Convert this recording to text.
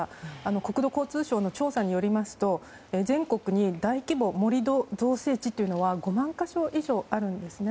国土交通省の調査によりますと全国に大規模盛り土造成地は５万か所以上あるんですね。